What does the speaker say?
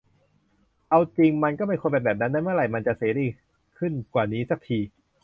เอาจริงมันก็ไม่ควรเป็นแบบนี้นะ เมื่อไหร่มันจะเสรีขึ้นกว่านี้สักที